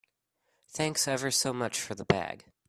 Thanks ever so much for the bag.